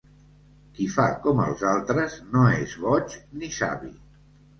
Qui fa com els altres no és boig ni savi.